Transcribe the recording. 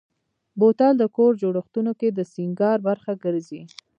بوتل د کور جوړښتونو کې د سینګار برخه ګرځي.